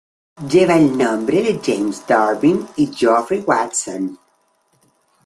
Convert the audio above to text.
Lleva el nombre de James Durbin y Geoffrey Watson.